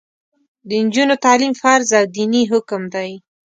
د نجونو تعلیم فرض او دیني حکم دی.